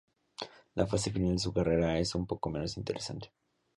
La fase final de su carrera es un poco menos interesante.